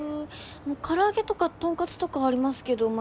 唐揚げとかトンカツとかありますけどま